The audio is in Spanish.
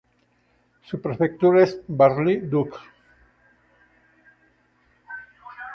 Su prefectura es Bar-le-Duc.